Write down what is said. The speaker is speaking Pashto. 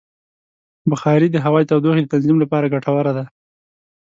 بخاري د هوا د تودوخې د تنظیم لپاره ګټوره ده.